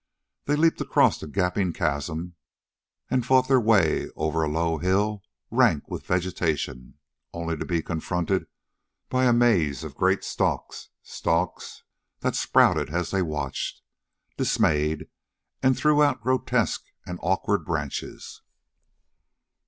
They leaped across a gaping chasm and fought their way over a low hill, rank with vegetation, only to be confronted by a maze of great stalks stalks that sprouted as they watched, dismayed, and threw out grotesque and awkward branches.